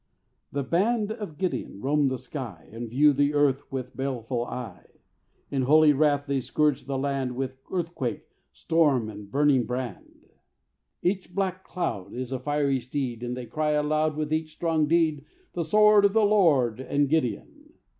The band of Gideon roam the sky And view the earth with baleful eye; In holy wrath they scourge the land With earth quake, storm and burning brand. Each black cloud Is a fiery steed. And they cry aloud With each strong deed, "The sword of the Lord and Gideon."